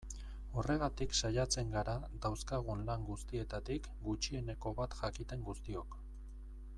Horregatik saiatzen gara dauzkagun lan guztietatik gutxieneko bat jakiten guztiok.